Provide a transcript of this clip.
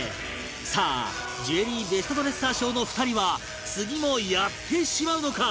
さあジュエリーベストドレッサー賞の２人は次もやってしまうのか？